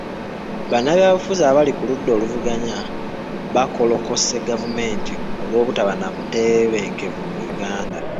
Bannabyabufuzi abali ku ludda oluwabuzi bakolokose gavumenti olw'obutaba na butebenkevu mu Uganda.